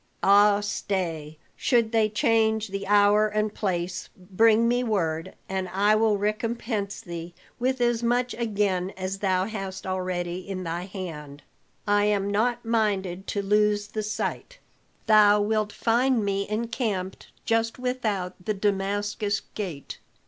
"Ah, stay, should they change the hour and place bring me word, and I will recompense thee with as much again as thou hast already in thy hand. I am not minded to lose the sight. Thou wilt find me encamped just without the Damascus Gate."